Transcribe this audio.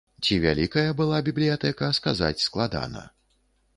Ці вялікая была бібліятэка, сказаць складана.